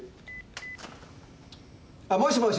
あっもしもし。